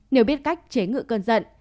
nếu biết cách chế ngự cơn giận